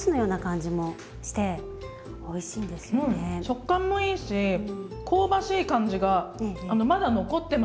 食感もいいし香ばしい感じがまだ残ってますねちゃんと。